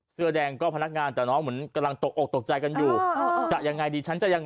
เสื้อแดงก็พนักงานแต่น้องเหมือนกำลังตกอกตกใจกันอยู่จะยังไงดีฉันจะยัง